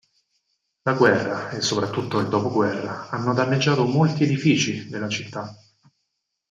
La guerra, e soprattutto il dopoguerra, hanno danneggiato molti edifici della città.